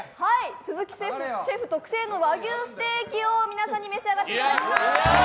鈴木シェフ特製の和牛ステーキを皆さんに召し上がっていただきます。